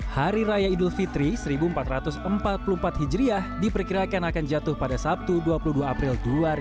hari raya idul fitri seribu empat ratus empat puluh empat hijriah diperkirakan akan jatuh pada sabtu dua puluh dua april dua ribu dua puluh